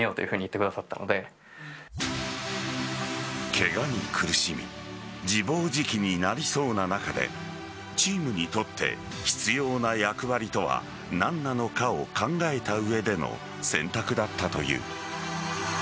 ケガに苦しみ自暴自棄になりそうな中でチームにとって必要な役割とは何なのかを考えた上での選択だったという。